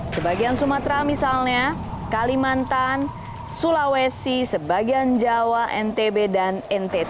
sebagian sumatera misalnya kalimantan sulawesi sebagian jawa ntb dan ntt